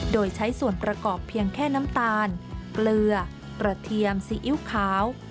โดยใช้ส่วนประกอบเพียงแค่น้ำตาลเกลือกระเทียมซีอิ๊วขาว